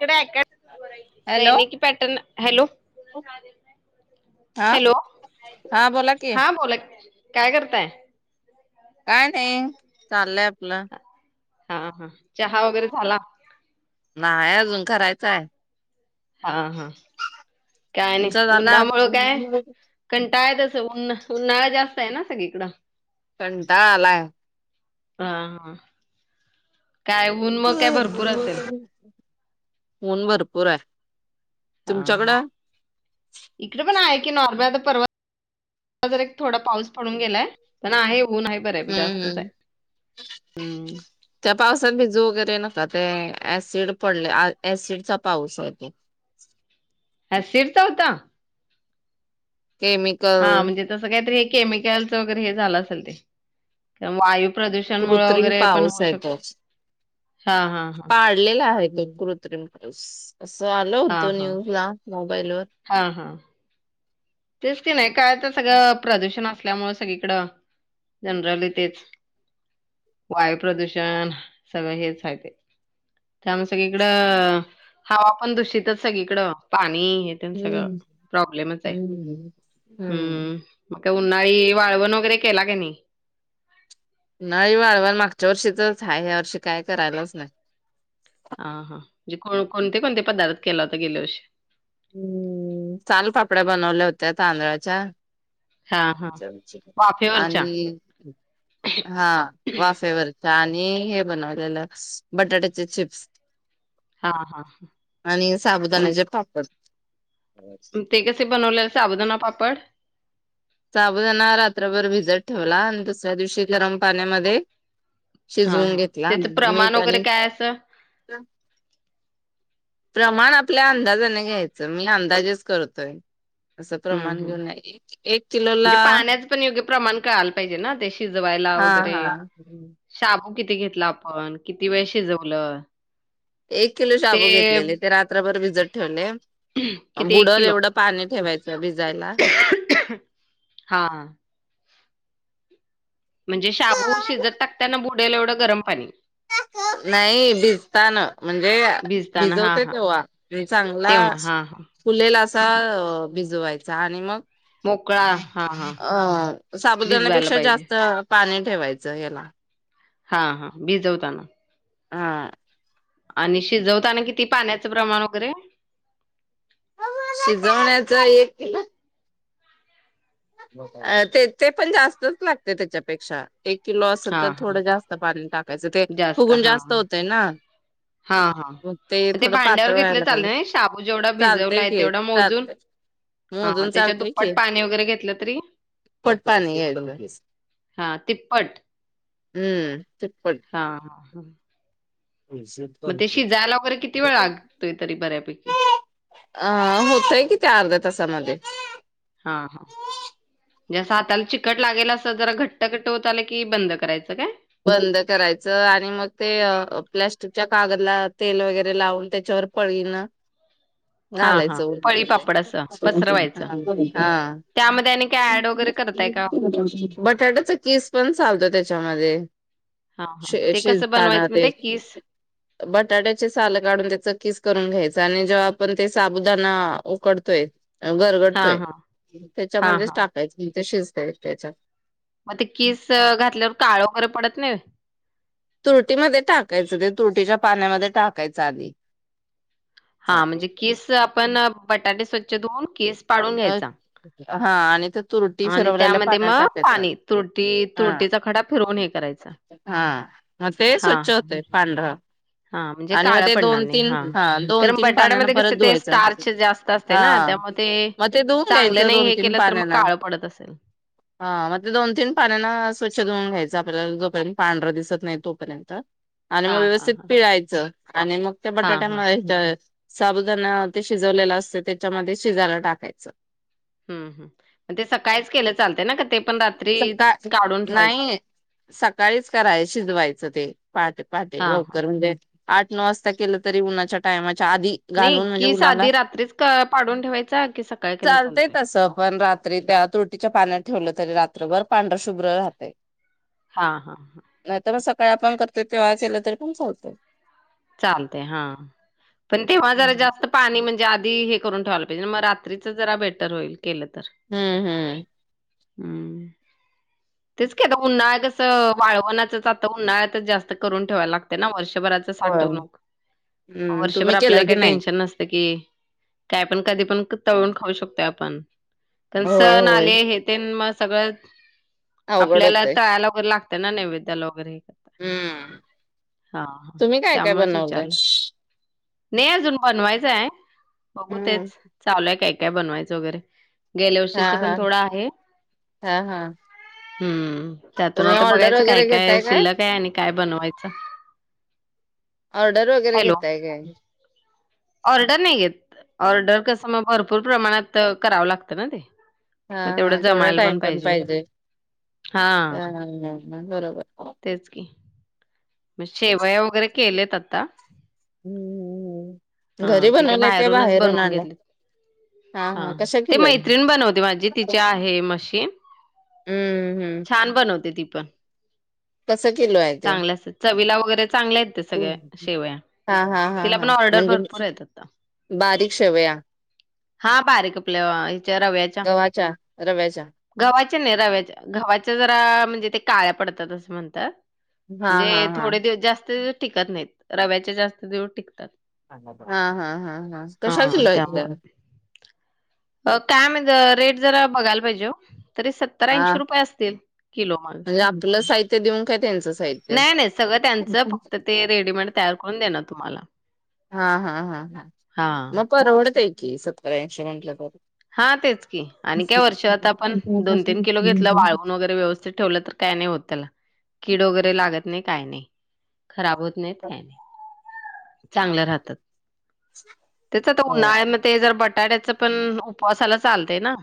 तिकड आहे काय हॅलो सैनिकी पॅटर्न हॅलो हा हॅलो हा बोला की हा बोला काय करताय काय नाही चाललंय आपलं हा हा चहा वगैरे झाला नाय अजून करायचाय हा हा काय नाही तुमचा झाला उन्हामुळ काय कंटाय येत असलं उन उन्हाळा जास्त आहे ना सगळीकडं कंटाळा आलाय हा हा काय ऊन मग काय भरपूर असेल ऊन भरपूर आहे हा हा तुमच्याकडं इकडे पण आहे की नॉर्व्याचा परर्वत जर एक थोडा पाऊस पडून गेलाय तर आहे ऊन आहे बऱ्यापैकी हम्म जास्तच आहे हम् हम्म त्या पावसात भिजू वगैरे नका ते ऍसिड पडले ऍसिडचा पाऊस आहे ते ऍशिडचा होता? केमिक हा म्हणजे तसं कायतरी हे, केमिकलच वगैरे हे झालं असेल ते. ते वायू प्रदूषण मुळं कृत्रिम वगैरे पण पाऊस होऊ आहे शकतं. तो हा हा हा पलेला आहे तो कृत्रिम पाऊस. असं आल होतं न्यूज ला, मोबाईल वर हा हा तेच की नाही काय, तर सगळं प्रदूषण असल्यामुळं, सगळीकडं जनरली तेच. वायू प्रदूषण, सगळं हेच हाये थे. त्यामुळे सगळीकडं हवा पण दूषितचं, सगळीकड पाणी तुमच्या गांव, हम्म प्रॉब्लेमच आहे. हम्म हम्म. का उन्हाळी वाळवण वगैरे केला की नै. उन्हाळी वाळवाण मागच्या वर्षीचंच हाय, ह्या वर्षी काय करायलाच नाही. हा हा म्हणजे कोण, कोणते कोणते पदार्थ केला होता गेले वर्ष च हम्म... चाल पापड्या बनवल्या होत्या तांदळाच्या हां, हां. आ वाफेवरच्या? आणि हा वाफेवर आणि हे बनवलेलं, बटाट्याचे चिप्स. हां, हां. आणि हं. साबुदाण्याचे पापड. ते कसे बनवलेले साबुदाणा पापड? साबूदना रात्रभर भिजत ठेवला, अन दुसऱ्या दिवशी गरम पाण्यामध्ये हां, शिजवून हां. घेतला त्याचं प्रमाण मीठ वगैरे आणि काय असं? प्रमाण आपल्या अंदाजाने घ्यायचं, मी अंदाजेच करतोय असं प्रमान घेऊन नाई, ए ए एकट ट्रीटमेंट म्हंजे पाण्याच पण योग्य प्रमाण कळाल पाहिजे ना, ते शिजवायला हा वेगैरे हा. शाबू किती घेतला आपन? किती वेळ शिजवल? एक किलो शाबू घेतलेले, ते रात्रभर भिजत ठेवले. अ किती बुडल किलो? एवढं पानी ठेवायचं भिजायला हा. म्हणजे शाबू शिजत टाकताना, बुडेल एवढं गरम पानी, नाही भिजताक्रिकेटनं म्हणजे [unintelligible] भिजताना हां, भिजवते हां. तवा, अन चांगला तेव्हा हां, हां. फुललेला असा भिजवायचा आणि मग मोकळा हां, हां. अ.... भिजवायला साबुदान्यापेक्षा पाहिजे. जास्त पाणी ठेवायचं येला. हा हा भीजवताना.... हा. आणि शिजवताना किती पान्याचं प्रमाण वगैरे? शिजवण्याच एक ते ते पन, जास्तच लागते त्येच्यापेक्षा एक किलो असलं तर, हां, हां. थोडं जास्त पाणी टाकायचं. ते फुगून जास्त होतय ना हा हा, मग म ते थोडं भांड्यावर पातळ घेतलं व्हायला पाहिजे चाललं ना? शाबू जेवढा चालतय भिजवलाय की तेवढा चालतय मोजून हा हा, मोजून त्याच्या चालतय दुप्पट पानी वगैरे घेतलं तरी कोटपान [unintelligible] हा तिप्पट. हम्म, चिपपड हा, हा, हा [unintelligible] मग ते शिजायला वगैरे किती वेळ लागतोय तरी बऱ्यापैकी? अ, होतंय की त्या अर्धा तासामध्ये हां, हां जसं हाताला चिकट लागेल असं जरा घट्ट, घट्ट होत आलं की बंद करायचं का? बंद करायचं आणि मग ते प्लॅस्टिकच्या कागदला तेल वगैरे लावून त्याच्यावर पळीणं [unintelligible] हां. घालायचं, पळी पापड असं पसरवायचं. हा त्यामध्ये आणि काय? ॲड वगैरे करताय का? बटाट्याच चिप्स चालतो त्येच्यामध्ये हां, हां. श ते कसं शिजताना बनवायचं मग ते किस? बटाट्याचे सालं, काढून त्याच किस करून घ्यायचं आणि जेव्हा आपण ते साबुदाणा उकडतोय हां, गरगडतोय, हां. हां, त्याच्यामध्येच हां. टाकायची शिजतय त्येच्यात म ते कीस घातल्यावर काळं वगैरे पडत नाहीत? तुटीमध्ये टाकायचं ते, तुरटीच्या पाण्यामध्ये टाकायचं आधी हा म्हणजे कीस आपण, बटाटे स्वच्छ धुऊन कीस पाडून घ्यायचा. हा आणि त्यात आणि त्यामध्ये म पाणी, त्रुटी, हा त्रुटीचा खडा फिरवून हे करायचा. हा, म ते स्वच्छ होते पांढरं हा, म्हणजे आणि मग काळ ते पडणार दोन नाही तीन हा, दोन कारण तीन पाण्यान बटाट्यामध्ये कस परत ते धुवायचं स्टार्च जास्त असतय ना हा त्यामुळे ते ते मग धुवून चांगलं घ्यायचं नाही दोन हे तीन केलं तर, मग पाण्यान काळ पडत असेल हा, मग ते दोन तीन पाण्यांन स्वच्छ धुऊन घ्यायचं, आपल्याला जोपर्यंत पांढरं दिसत नाही तोपर्यंत आणि मग हां, हां, व्यवस्थित हां. पिळायचं, आणि मग त्या हां, बटाट्या हां. मं तय साबुदाणा ते शिजवलेलं असत त्येच्यामध्ये शिजायला टाकायचं [unintelligible] हम्, हम ते सकाळीच केलं चालत ना, ते रात्री सकाळ काढून ठेवायचं? नाही सकाळीच कराय, शिजवायचं ते पाहटे पाहटे हां, हां. लवकर म्हणजे आठ नऊ वाजता केलं तरी उन्हाच्या टायमाच्या आधी नाही, घालून म्हणजे कीस उन्हाला आधी रात्रीच पाडून ठेवायचा की सक चालतंय तसं पण रात्री त्या तुटीच्या पाण्यात ठेवलं तरी रात्रभर पांढरं शुभ्र राहतय हा, हा, हा नाही तर मग सकाळी आपण करतोय तेव्हा केलं तरी पण पोलतोय चालतय हा, पण तेव्हा जरा हम्म जास्त पाणी म्हणजे आधी हे करून ठेवायला पाहिजे, म रात्रीच जरा बेटर होईल केलं तर हम्म हम हम् तेच की आता उन्हाळा कसं वाळवंणातच आता उन्हाळा्यात जास्त करून ठेवाय लागतें ना वर्षभराचं होय साठवणूक, हम्म वर्षभर तुम्ही आपल्याला केलं की काय नाही? टेन्शन नसत की काय पण, कधी पण तळून खाऊ शकतो आपण, पण स होय होय आले तेणं म सगळंच अवघड आपल्याला होतय तळयला वगैरे लागतं ना नैवेद्याला वगैरे हम्म हा, हा तुम्ही काय काय त्यामुळेच बनवलंय? विचारलं. नाही अजून बनवायचं आहे. बघू तेच हम्म चावलंय काय काय बनवायचं वगैरे. गेल्या हा वर्षीच हा पण थोडं आहे हा हा, हम्म, त्यातून तुम्ही आता ऑर्डर बघायचं काय वगैरे काय घेताय शिल्लक आहे. आणि काय बनवायचं. ऑर्डर वगैरे हॅलो घेताय काय. ऑर्डर नाही घेत. ऑर्डर कसं मग भरपूर प्रमाणात करावं लागतं ना ते. हा मग तेवढं हा तेवढा जमायला पण टाइम पाहिजे. हा हा हा, मग बरोबर. तेच की, म शेवया वगैरे केलेत आता. हम्म्, हा घरी ते बनवलाय काय बाहेरूनच बाहेरून बनवून आलं. घेतलेत. हा, ते मैत्रीण बनवते माझी तिची आहे मशीन. हम्म हम्म, छान बनवते ती पण कसं किलो आहे. ते? चांगल्या असत्यात चवीला वगैरे चांगल्या आहेत ते सगळ्या शेवया. हा हा हा तिला हा पण ऑर्डर म्हणजे भरपूर आहेत. बारीक शेवया. हा, बारी कपल्या हच्या रव्याच्या. गव्हाच्या, रव्याच्या. गव्हाच्या नाही रव्याच्या गव्हाच्या जरा म्हणजे ते काळ्या पडतात असं म्हणतात. हा हा हा. म्हणजे दिवस जास्त दिवस टिकत नाहीत रव्याचे जास्त टिकतात. हा हा हा हा, कशा किल्ल आहेत त्या. का म्हण रेट जरा बघायला पाहिजे तरी सतर हा ऐशी रुपये. पय अस किलो मग म्हणजे आपलं साहित्य देऊन काय त्यांचं साहित्य? नाही नाही सगळ त्यांच फक्त. ते रेडीमेड तयार करून देणार तुम्हाला. हा हा हा हा, हां, मग परवडत आहे की, सत यांशी म्हंटल्या तर. हा, तेच की, आणि काया वर्षातता आपण दोन तीन किलो घेतलं वाळून वगैरे व्यवस्थित. ठे काय नाही हो त्याला कीड वगैरे लागत नाही नाही खराब होत नाही. होत नाहीत काय नाही चांग राहत त्या उन्हाळ. ते जर बटाट्याच पण उपवासाला चालत ना.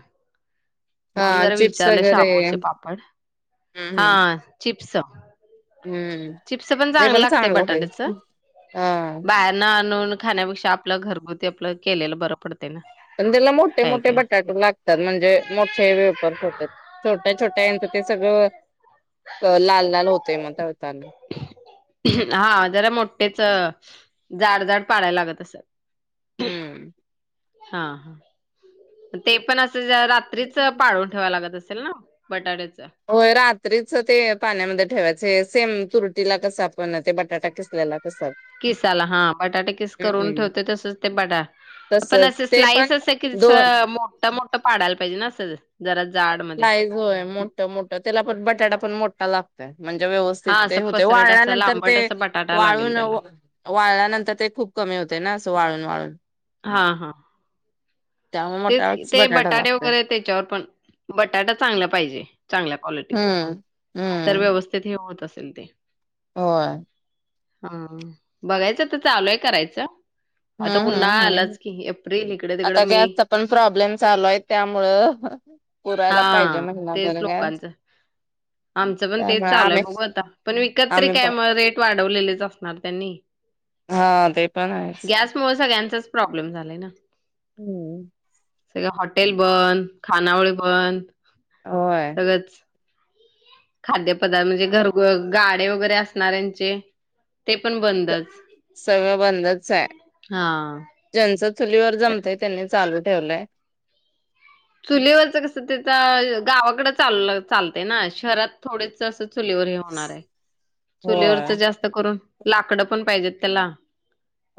हा म्हणून जरा चिप्स विचारलं वगैरे शावूचे हम्म हम्म हा, चिप्स. हम्म चिप्स पण ते चांग लागते चांगलं बटाट्याच पाहिजे हा बाहेर. न आणून खाण्यापेक्षा आपलं घरगुती आप केलेलं बरं पडते ना. पण त्याला मोठे काय मोठे काय बटाटे लागत. त म्हणजे मोठ्या वेपरत होत छोट्या छोट्यांत ते सगळं. अ लाल लाल होतेय मग तळताना. हा, जरा जाड जाड पाडायला लागत असल. हम्म हा, ते पण असं जरा. कत्रीच पाळून ठेवा लागत असेल ना बटाट्याच. होय रात्रीच ते पाण्यामध्ये ठेवायचं सेम तुरटीला कसं आपण ते बटाटा किसलेला कस. किसाला हा, बटाटे किस ठेवते तसच ते बटा''--'' पण तसच असं ते पण स्लाईस असं की दोन मो''--'' मोठ मोठं पाडायला पाहिजे असं जरा जाड मध्ये. स्लाईज होय मोठ मोठ त्याला पण बटाटा पण मोठा लागत म्हणजे व्यवस्थित. हा ते ते असं होतंय पसरट असा वाळल्यानंतर ते लांबट असा बटाटा लागेल वाळून त्याला वाळल्यानंतर ते खूप कमी होतंय ना असं वाळून वाळून. हा हा त्यामुळे तेच की मोठाच बटाटा बटाटे लागतोय वगैरे त्यांच्यावर पण बटाटा चांगला पाहिजे चांगल्या क्वालिटी हम्म तर हम्म व्यवस्थित [inaudible] होत असेल ते होय हा बघायचं तर चालू आहे करायचं. आता हम्म हम्म उन्हाळा हम्म आलाच की एप्रिल इकडं आता तिकडं मे गॅसचा पण प्रॉब्लेम चालोय त्यामुळं हा पुरायला पाहिजे महिनाभर तेच गॅस लोकांचं आमचं पण तेच त्यामुळे चालूय आम्ही बघू आता पण विकत तरी आम्ही काय पण मग रेट वाढवलेलेच असणार त्यांनी. हा ते पण आहेच. म सगळ्यांचाच प्रॉब्लेम झालाय ना. हम्म सगळं हॉटेल बंद खानावळी बंद. होय [unintelligible] खाद्य पदार्थ म्हणजे घर गाडे वगैरे असणारऱ्यांचे. ते पण बंदच सगळं हां ज्यांच चुलीवर जमतंय त्यांनी चालू ठेवलंय. चुलीवरच कसं ते गावाकडे चाल चालतंय ना शहरात थोडे असं चुलीवरी होणार आहे. चुलीवरच होय जास्त करून लाकडं पण पाहिजेत त्याला.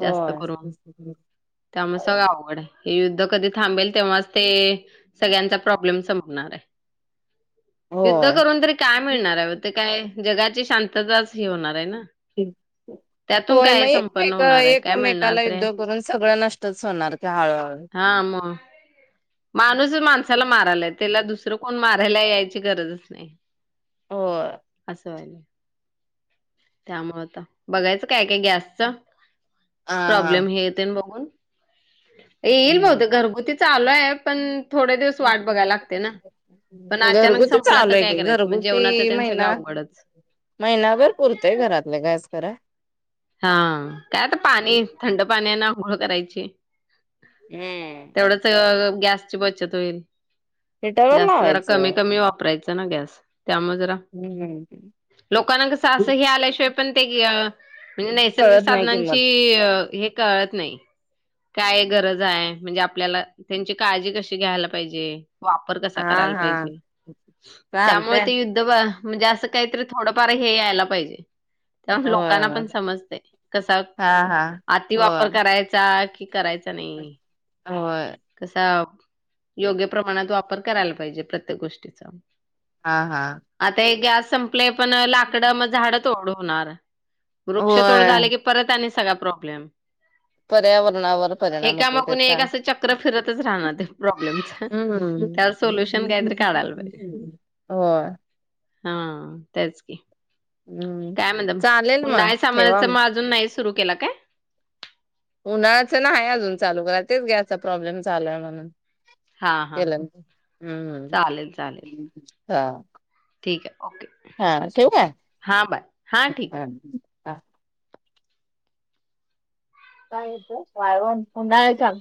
जास्त करून त्यामुळे सगळं आवड हे युद्ध कधी थांबेल तेव्हाच ते सगळ्यांचा प्रॉब्लेम संपणार आहे. युद्ध होय करून तरी काय मिळणार आहे ते काय जगाची शांती. तेचाच हे होणार आहे ना [unintelligible] त्यातून होय मग काय संपन्न एकमेक होणार आहे काय मिळणार एकमेकांला तर आहे युद्ध करून सगळं नष्टच होणार की हळूहळू. हा मग माणूसच माणसाला मारायलाय त्याला दुसरं कोण मारायला यायची गरजच नाही. होय असं व्हायलय त्यामुळे आता बघायचं काय काय गॅसच हा हा प्रॉब्लेम हे तेन बघून. येईल हम्म बहुतेक घरगुती चालूय आहे पण थोडे दिवस वाट बघायला लागते ना पण अचानक घरगुती संपला चालू तर आहे काय की करायचं मग घरगुती जेवणाचं तेन सगळं महिना अवघडच ह महिनाभर पुरतंय घरातलं गॅस खरं हा काय आता पाणी थंड पाण्याने अंघोळ करायची. हम्म थोडच गॅसची बचत होईल हिटरवर गॅस जरा कमी लावायचं कमी वापरायचं [inaudible] गॅस त्यामुळे जरा हम्म लोकांना कस आस हे आल्याशिवाय पण ते नैसर्गिक कळत नाही साधनांची किंमत हे कळत नाही. काय गरजय म्हणजे आपल्याला त्यांची काळजी कशी घ्यायला पाहिजे. वापर कसा हा करायला हा पाहिजे, त्यामुळे चालतय ते यु ध्द म्हणजे असं काहीतरी थोडंफार हे यायला पाहिजे, लो होय कांना पण होय समजतय कसा हा हा आति वापर होय करायचा की करायचा नाही. होय कसा योग्य प्रमाणात वापर करायला पाहिजे प्रत्येक गोष्टीचा. हा हा आता हे गॅस संपलय पण लाकड मग झाडं तोड होणार, वृक्ष तोड होय झाले की परत आणि सगळा प्रॉब्लेम. पर्यावरणावर परिणाम होते एकामागून एक त्याचा. असं चक्र फिरतच राहणार ते प्रॉब्लेमच. हम्म त्यावर सोल्युशन काहीतरी काढायला पाहिजे. होय हा तेच की. हम्म. काय म्हणता मग? चालेल मग उन्हाळी ठेवा सामानाच मग आजून नाही सुरू केला काय? उन्हाळाचं नाही अजून चालू केल तेच गॅसचा प्रॉब्लेम चालूय म्हणून. हा हा केल हा नाही हम् चालेल चालेल हा. ठीक आहे ओके. हा ठेवू काय? हां बाय हां ठीक. काय येत ते? वाळवण उन्हाळ्याच्या.